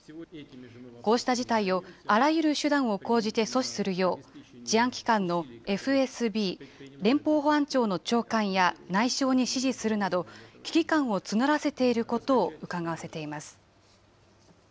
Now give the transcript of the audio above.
こうした事態をあらゆる手段を講じて阻止するよう、治安機関のＦＳＢ・連邦保安庁の長官や内相に指示するなど、危機感を募らせていることをうかがわせています。